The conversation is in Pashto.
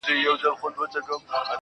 زه په دې افتادګۍ کي لوی ګَړنګ یم.